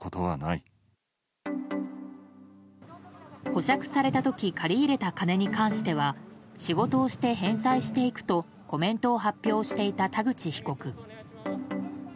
保釈された時借り入れた金に関しては仕事をして返済していくとコメントを発表していた田口被告。